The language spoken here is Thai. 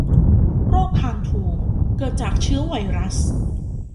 โรคคางทูม เกิดจากเชื้อไวรัส